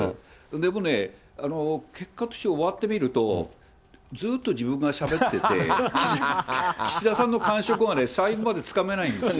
でもね、結果として終わってみると、ずっと自分がしゃべってて、岸田さんの感触が最後までつかめないんですよ。